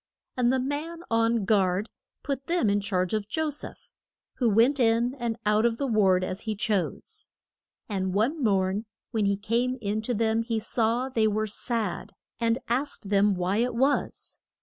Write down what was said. And the man on guard put them in charge of Jo seph, who went in and out of the ward as he chose. And one morn when he came in to them he saw they were sad, and asked them why it was.